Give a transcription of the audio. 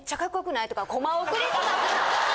コマ送りとか。